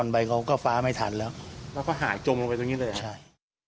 รอนไปเขาก็ฟ้าไม่ทันแล้วแล้วก็หาจมลงไปตรงนี้ด้วย